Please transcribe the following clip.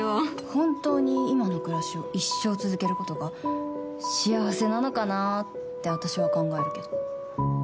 本当に今の暮らしを一生続けることが幸せなのかなって私は考えるけど。